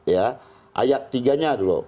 ya ayat tiga nya dulu